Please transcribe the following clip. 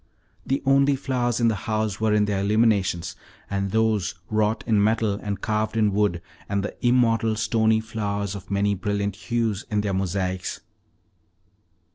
The only flowers in the house were in their illuminations, and those wrought in metal and carved in wood, and the immortal, stony flowers of many brilliant hues in their mosaics.